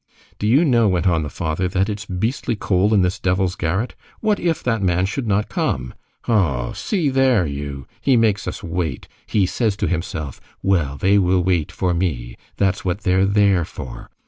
"Do you know," went on the father, "that it's beastly cold in this devil's garret! What if that man should not come! Oh! See there, you! He makes us wait! He says to himself: 'Well! they will wait for me! That's what they're there for.